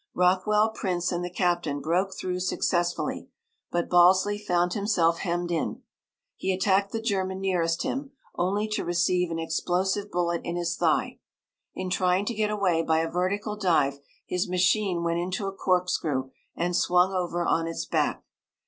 Rockwell, Prince, and the captain broke through successfully, but Balsley found himself hemmed in. He attacked the German nearest him, only to receive an explosive bullet in his thigh. In trying to get away by a vertical dive his machine went into a corkscrew and swung over on its back.